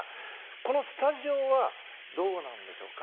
このスタジオはどうなんでしょうか。